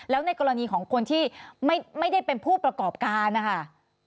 แล้วในกรณีของคนที่ไม่ได้เป็นผู้ประกอบการนะคะ